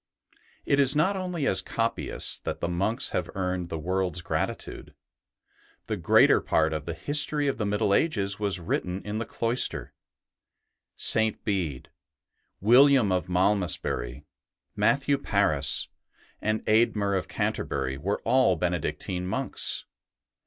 It is not only as copyists that the monks have earned the world's gratitude The greater part of the history of the Middle Ages was written in the cloister; St. Bede, William of Malmesbury, Matthew Paris, and Eadmer of Canterbury were all Benedictine monks.